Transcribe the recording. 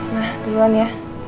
nah duluan ya